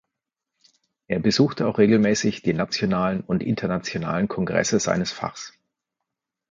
Er besuchte auch regelmäßig die nationalen und internationalen Kongresse seines Fachs.